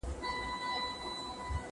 کېدای سي پلان غلط وي!؟